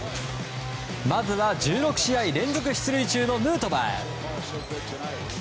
まずは１６試合連続出塁中のヌートバー。